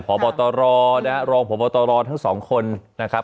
พอบอตรอนะครับรองพอบอตรอทั้งสองคนนะครับ